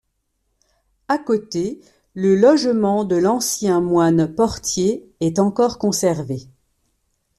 À côté, le logement de l'ancien moine portier est encore conservé.